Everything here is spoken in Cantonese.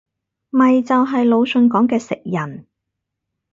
咪就係魯迅講嘅食人